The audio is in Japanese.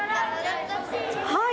はい。